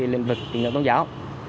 trên lĩnh vực kinh doanh tôn giáo